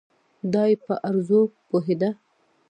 دای په عروضو پوهېده.